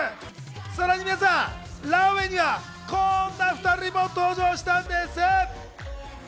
さらに皆さん、ランウェイにはこんな２人も登場したんです。